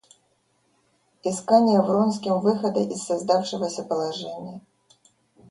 Искание Вронским выхода из создавшегося положения.